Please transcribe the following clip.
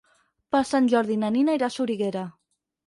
Per Sant Jordi na Nina irà a Soriguera.